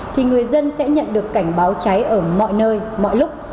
thì người dân sẽ nhận được cảnh báo cháy ở mọi nơi mọi lúc